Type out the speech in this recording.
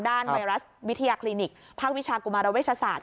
ไวรัสวิทยาคลินิกภาควิชากุมารเวชศาสต